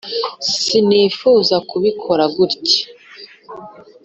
sinifuzaga kubikora gutya.